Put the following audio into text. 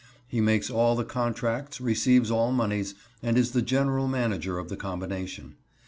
He makes all the contracts, receives all moneys, and is the general manager of the combination.